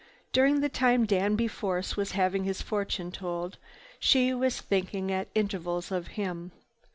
During the time Danby Force was having his fortune told she was thinking at intervals of him.